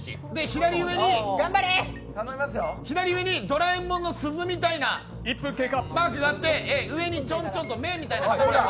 左上にドラえもんの鈴みたいなマークがあって、上にちょんちょんと目みたいな。